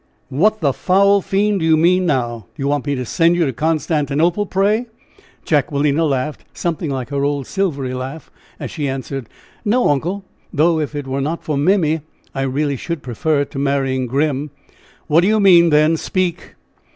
"What the foul fiend do you mean now? Do you want me to send you to Constantinople, pray?" Jacquelina laughed, something like her old silvery laugh, as she answered: "No, uncle; though if it were not for Mimmy, I really should prefer it to marrying Grim!" "What do you mean, then? Speak!"